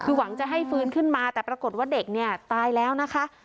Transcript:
คือหวังจะให้ฟื้นขึ้นมาแต่ปรากฏว่าเด็กเนี่ยตายแล้วนะคะ